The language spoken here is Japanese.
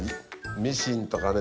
ミシンとかね